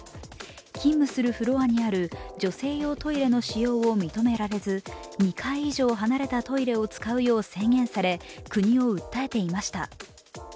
勤務するフロアにある女性用トイレの使用が認められず、２階以上離れたトイレを使うよう制限され、国を訴えていました。